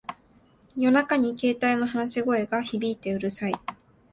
夜中に携帯の話し声が響いてうるさい